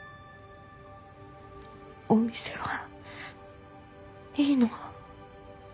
お店は？いいの？